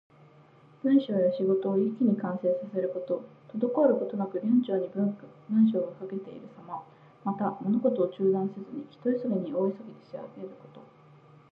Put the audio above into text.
文章や仕事を一気に完成させること。滞ることなく流暢に文章が書かれているさま。また、物事を中断せずに、ひと息に大急ぎで仕上げること。